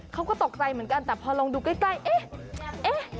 เขาก็ตกใจเหมือนกันแต่พอลองดูใกล้เอ๊ะ